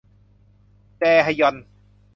แจฮยอน